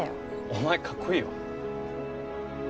お前かっこいいよ。